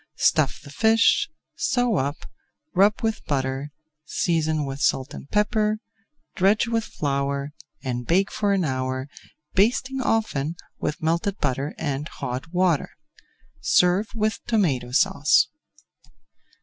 Stuff the fish, sew up, rub with butter, season with salt and pepper, dredge with flour, and bake for an hour, basting often with melted butter and hot water. Serve with Tomato Sauce.